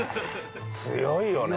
強いよね。